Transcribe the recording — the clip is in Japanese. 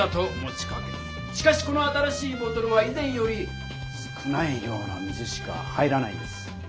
しかしこの新しいボトルはい前より少ない量の水しか入らないんです。